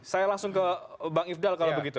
saya langsung ke bang ifdal kalau begitu